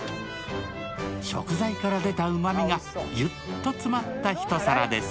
食材から出たうまみがぎゅっと詰まった一皿です。